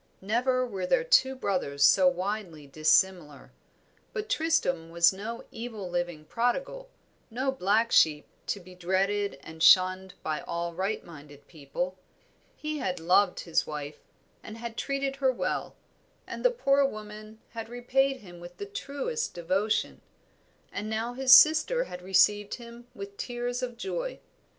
Never were there two brothers so widely dissimilar. But Tristram was no evil living prodigal, no black sheep, to be dreaded and shunned by all right minded people; he had loved his wife, and had treated her well, and the poor woman had repaid him with the truest devotion; and now his sister had received him with tears of joy.